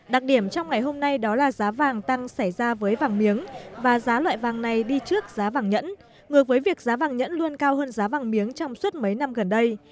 đặc điểm trong ngày hôm nay đó là giá vàng tăng xảy ra với vàng miếng và giá loại vàng này đi trước giá vàng nhẫn ngược với việc giá vàng nhẫn luôn cao hơn giá vàng miếng trong suốt mấy năm gần đây